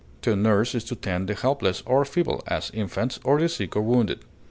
To nurse is to tend the helpless or feeble, as infants, or the sick or wounded.